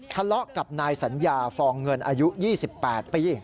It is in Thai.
ทะเลาะกับนายสัญญาฟองเงินอายุ๒๘ปี